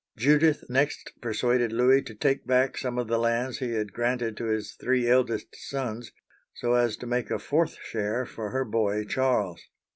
Judith next persuaded Louis to take back some of the lands he had granted to his three eldest sons, so as to make a fourth share for her boy, Charles.